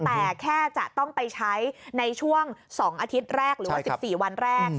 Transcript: แต่แค่จะต้องไปใช้ในช่วง๒อาทิตย์แรกหรือว่า๑๔วันแรก